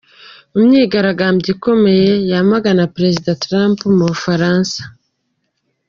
Imyigaragambyo ikomeye yamagana Perezida Trump mu Bufuransa.